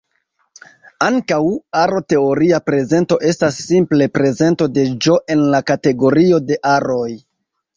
Ankaŭ, aro-teoria prezento estas simple prezento de "G" en la kategorio de aroj.